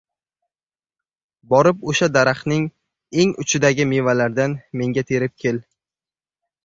Borib oʻsha daraxtning eng uchidagi mevalardan menga terib kel.